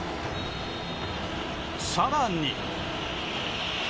更に。